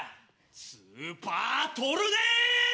スーパートルネード！